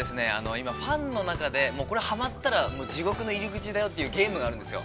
今、ファンの中でこれはまったら地獄の入口だよというゲームがあるんですよ。